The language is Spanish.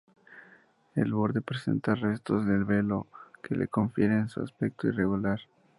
El borde presenta restos del velo, que le confieren un aspecto irregular.